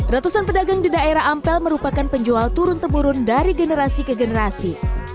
ratusan pedagang di daerah ampel merupakan penjual turun temurun dari generasi ke generasi